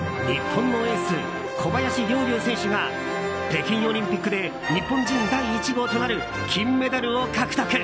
日本のエース、小林陵侑選手が北京オリンピックで日本人第１号となる金メダルを獲得。